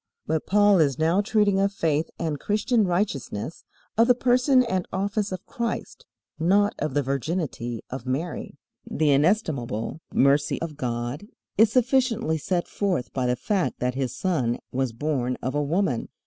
But Paul is now treating of faith and Christian righteousness, of the person and office of Christ, not of the virginity of Mary. The inestimable mercy of God is sufficiently set forth by the fact that His Son was born of a woman.